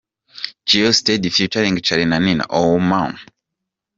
Geosteady Ft Charly & Nina - Owoomad.